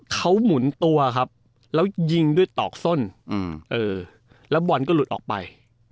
เขาหมุนตัวครับแล้วยิงด้วยตอกส้นแล้วบอลก็หลุดออกไป